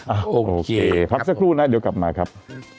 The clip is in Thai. โอเคพักสักครู่นะเดี๋ยวกลับมาครับ